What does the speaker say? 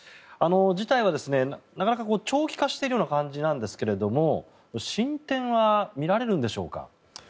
事態はなかなか長期化しているような感じなんですが進展は見られるんでしょうか。